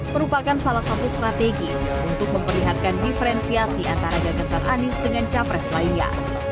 merupakan salah satu strategi untuk memperlihatkan diferensiasi antara gagasan anies dengan capres lainnya